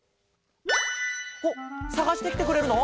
おっさがしてきてくれるの？